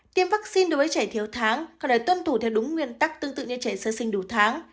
tiêm vaccine đối với trẻ thiếu tháng còn lại tuân thủ theo đúng nguyên tắc tương tự như trẻ sơ sinh đủ tháng